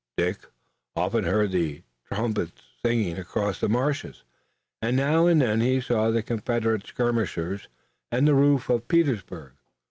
Dick often heard the trumpets singing across the marshes, and now and then he saw the Confederate skirmishers and the roofs of Petersburg.